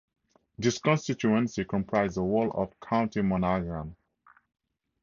This constituency comprised the whole of County Monaghan.